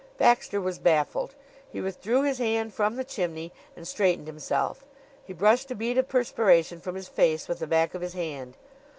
Baxter was baffled. He withdrew his hand from the chimney, and straightened himself. He brushed a bead of perspiration from his face with the back of his hand.